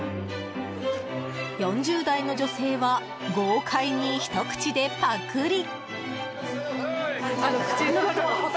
４０代の女性は豪快にひと口で、パクリ。